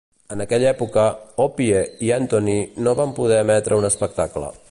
En aquella època, OPIE i Anthony no van poder emetre un espectacle.